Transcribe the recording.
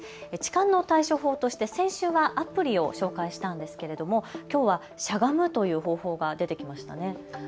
痴漢の対処法として先週はアプリを紹介したんですが、きょうは、しゃがむという方法が出てきましたね。